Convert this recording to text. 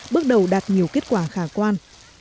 bước đầu đạt nhiều kết quả khả quan